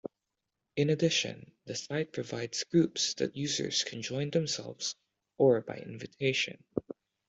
In addition, the site provides "groups" that users can join themselves or by invitation.